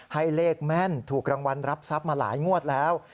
ให้เลขแม่นถูกรางวัลรับทรัพย์มาหลายงวดแล้ว